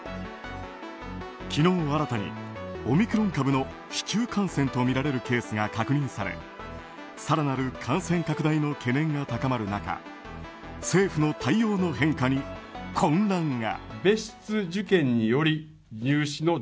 昨日、新たにオミクロン株の市中感染とみられるケースが確認され更なる感染拡大の懸念が高まる中政府の対応の変化に混乱が。